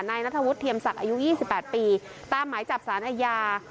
ในนัทวุฒิเทียมศักดิ์อายุยี่สิบแปดปีตามหมายจับศาลอาญา